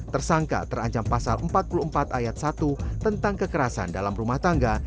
tersangka terancam pasal empat puluh empat ayat satu tentang kekerasan dalam rumah tangga